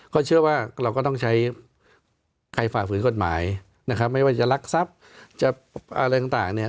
เขาเชื่อว่าเราก็ต้องใช้ใครฝ่าฝืนกฎหมายนะครับไม่ว่าจะรักทรัพย์จะอะไรต่างเนี่ย